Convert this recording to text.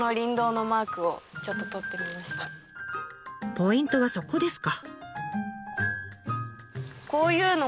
ポイントはそこですか。